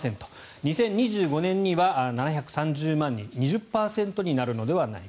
２０２５年には７３０万人２０％になるのではないか。